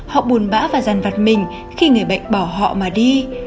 họ bùn bã và giàn vặt mình khi người bệnh bỏ họ mà đi